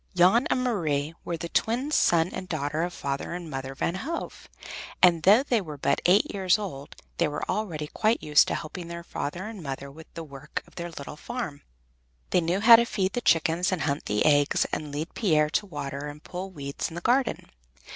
Jan and Marie were the twin son and daughter of Father and Mother Van Hove, and though they were but eight years old, they were already quite used to helping their father and mother with the work of their little farm. They knew how to feed the chickens and hunt the eggs and lead Pier to water and pull weeds in the garden.